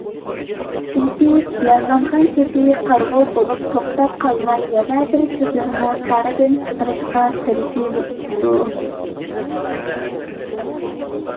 چۈنكى يارىلانغان كۆزى قارىغۇ بولۇپلا توختاپ قالماي يەنە بىر كۆزىنىمۇ كاردىن چىقىرىشقا تىرىشىۋېتىپتۇ.